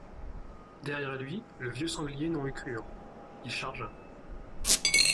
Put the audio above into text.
Derrière lui, le vieux sanglier n’en eut cure, il chargea.